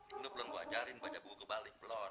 ini belum gue ajarin baca buku kebalik belum